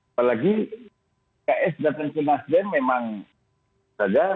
apalagi pks datang ke nasdem memang sejarah